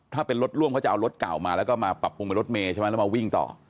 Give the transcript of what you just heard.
ถ้าเป็นรถร่วมเขาจะเอารถเก่ามาแล้วก็มาปรับปรุงเป็นรถเมย์ใช่ไหมแล้วมาวิ่งต่อ